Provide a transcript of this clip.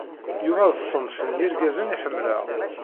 Yuba d ṣṣenf n yergazen i ḥemmleɣ.